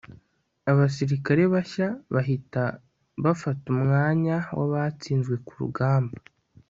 abasirikare bashya bahita bafata umwanya wabatsinzwe kurugamba